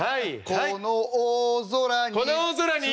「この大空に」